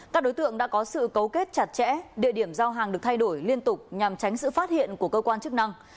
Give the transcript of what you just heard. các đối tượng đã có sự cấu kết chặt chẽ địa điểm giao hàng được thay đổi liên tục nhằm tránh sự phát hiện của cơ quan chức năng